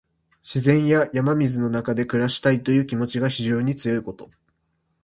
自然や山水の中で暮らしたいという気持ちが非常に強いこと。